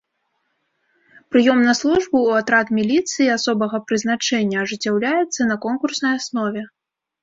Прыём на службу ў атрад міліцыі асобага прызначэння ажыццяўляецца на конкурснай аснове.